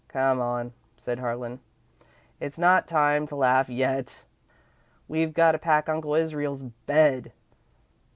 "Come on," said Harlan, "it's not time to laugh yet. We've got to pack Uncle Israel's bed."